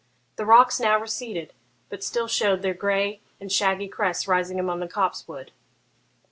The rocks now receded, but still showed their grey and shaggy crests rising among the copse wood.